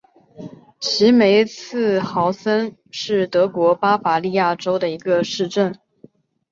齐梅茨豪森是德国巴伐利亚州的一个市镇。